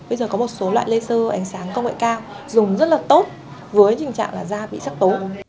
bây giờ có một số loại laser ảnh sáng công nghệ cao dùng rất là tốt với trình trạng da bị sắc tố